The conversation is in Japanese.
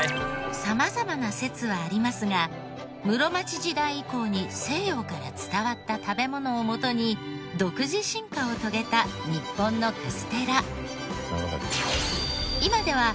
様々な説はありますが室町時代以降に西洋から伝わった食べ物をもとに独自進化を遂げた日本のカステラ。